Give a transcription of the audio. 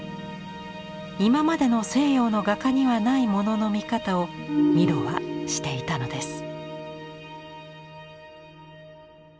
今までの西洋の画家にはないものの見方をミロはしていたのです。